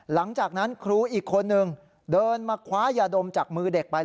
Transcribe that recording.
หลังจากนั้นครูอีกคนนึงเดินมาคว้ายาดมจากมือเด็กไป